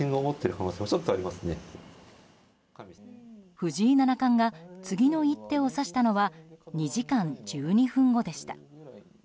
藤井七冠が次の一手を指したのは２時間１２分後でした。